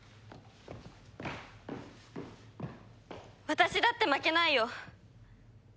私だって負けないよ。